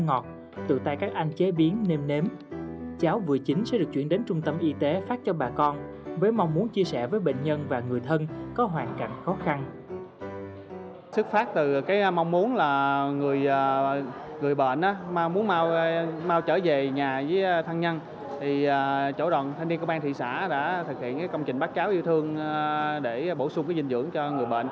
người bệnh muốn mau trở về nhà với thân nhân thì chỗ đoàn thanh niên công an thị xã đã thực hiện công trình bắt cáo yêu thương để bổ sung dinh dưỡng cho người bệnh